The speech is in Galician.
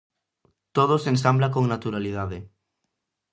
Todo se ensambla con naturalidade.